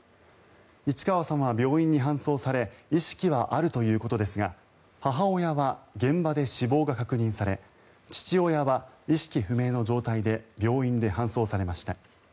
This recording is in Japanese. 市川さんは病院に搬送され意識はあるということですが母親は現場で死亡が確認され父親は意識不明の状態で病院に搬送されました。